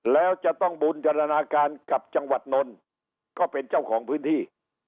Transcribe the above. แล้วจะต้องบุญจรนาการกับจังหวัดนนท์ก็เป็นเจ้าของพื้นที่